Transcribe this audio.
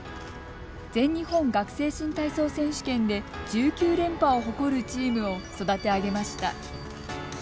全日本学生新体操選手権で１９連覇を誇るチームを育て上げました。